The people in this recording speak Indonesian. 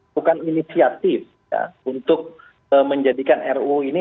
bukan inisiatif untuk menjadikan ruu ini